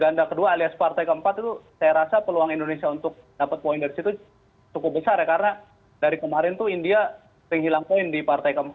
ganda ke dua alias partai ke empat itu saya rasa peluang indonesia untuk dapet poin dari situ cukup besar ya karena dari kemarin tuh india sering hilang poin di partai ke empat